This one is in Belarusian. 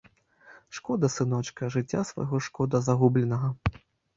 Шкода сыночка, жыцця свайго шкода загубленага.